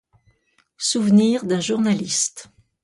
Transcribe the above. Souvenirs d'un Journaliste.